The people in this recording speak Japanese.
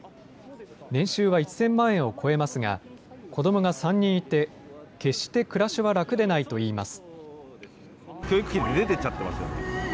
年収は１０００万円を超えますが、子どもが３人いて、決して暮らしは楽でないといいます。